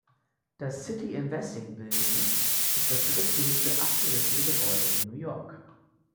Das City Investing Building ist das dritthöchste abgerissene Gebäude in New York.